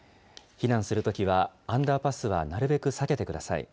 避難するときはアンダーパスはなるべく避けてください。